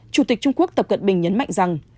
chủ tịch trung quốc tập cận bình nhấn mạnh rằng